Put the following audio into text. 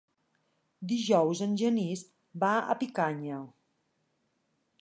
Dijous en Genís va a Picanya.